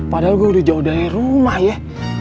padahal gue udah jauh dari rumah ya